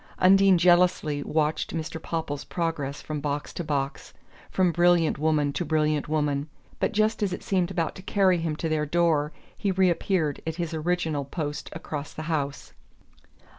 Undine jealously watched Mr. Popple's progress from box to box, from brilliant woman to brilliant woman; but just as it seemed about to carry him to their door he reappeared at his original post across the house.